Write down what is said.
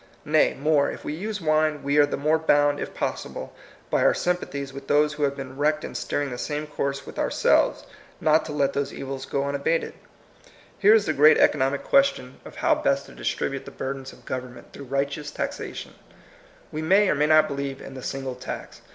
Nay, more, if we use wine, we are the more bound, if possible, by our sym pathies with those who have been wrecked in steering the same course with ouraelves, not to let those evils go unabated. Here is the great economic question of THE MOTTO OF VICTORY. 181 how best to distribute the burdens of gov ernment through righteous taxation. We may or may not believe in ^^the single tax."